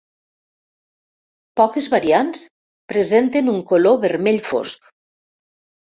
Poques variants presenten un color vermell fosc.